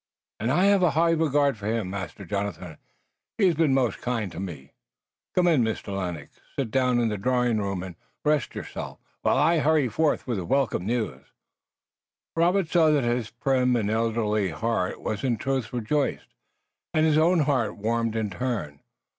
"And I have a high regard for him, Master Jonathan. He has been most kind to me." "Come in, Mr. Lennox. Sit down in the drawingroom and rest yourself, while I hurry forth with the welcome news." Robert saw that his prim and elderly heart was in truth rejoiced, and his own heart warmed in turn.